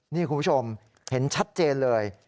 นี่คุณผู้ชมเห็นชัดเจนเลย